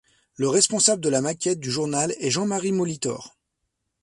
Le responsable de la maquette du journal est Jean-Marie Molitor.